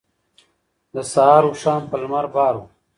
د سهار اوښان په لمر بار وو.